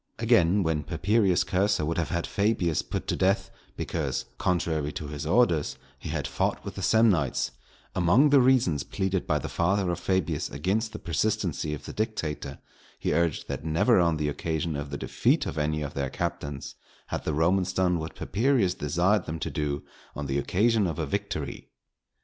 Again, when Papirius Cursor would have had Fabius put to death, because, contrary to his orders, he had fought with the Samnites, among the reasons pleaded by the father of Fabius against the persistency of the dictator, he urged that never on the occasion of the defeat of any of their captains had the Romans done what Papirius desired them to do on the occasion of a victory.